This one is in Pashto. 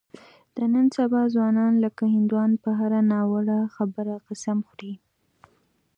د نن سبا ځوانان لکه هندوان په هره ناروا خبره قسم خوري.